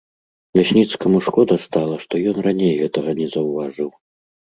Лясніцкаму шкода стала, што ён раней гэтага не заўважыў.